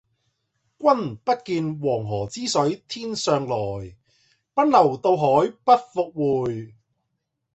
君不見，黃河之水天上來，奔流到海不復回。